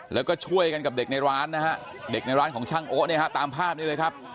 แล้วก็ช่วยกันกับเด็กในร้านนะฮะเด็กในร้านของช่างโอ๊เนี่ยฮะตามภาพนี้เลยครับ